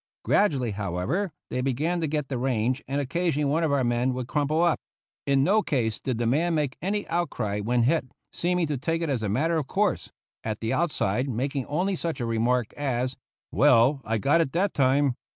Gradually, however, they began to get the range and occasionally one of our men would crumple up. In no case did the man make any outcry when hit, seeming to take it as a matter of course; at the outside, making only such a remark as: "Well, I got it that time."